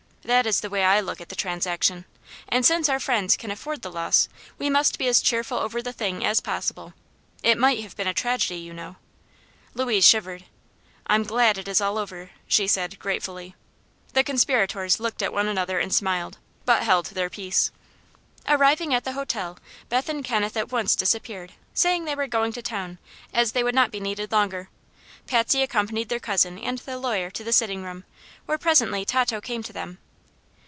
That is the way I look at the transaction. And, since our friends can afford the loss, we must be as cheerful over the thing as possible. It might have been a tragedy, you know." Louise shivered. "I'm glad it is all over," she said, gratefully. The conspirators looked at one another and smiled, but held their peace. Arriving at the hotel, Beth and Kenneth at once disappeared, saying they were going to town, as they would not be needed longer. Patsy accompanied their cousin and the lawyer to the sitting room, where presently Tato came to them.